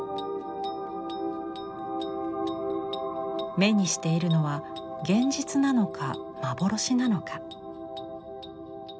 目にしているのは現実なのか幻なのか。